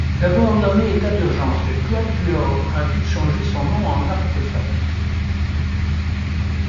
D'abord nommé État d'Urgence, le quatuor a vite changé son nom en Artefact.